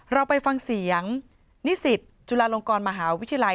เราไปฟังเสียงนิสิตจุฬาลงกรมหาวิทยาลัย